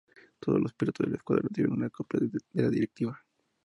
Todos los pilotos del escuadrón recibieron una copia de la directiva.